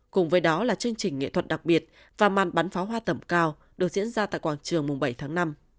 cùng với đó là chương trình nghệ thuật đặc biệt và màn bắn pháo hoa tầm cao được diễn ra tại quảng trường mùng bảy tháng năm